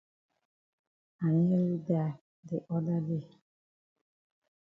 I nearly die de oda day.